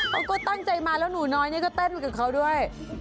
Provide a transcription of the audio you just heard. เขาก็ตั้งใจมาแล้วหนูน้อยนี่ก็เต้นไปกับเขาด้วย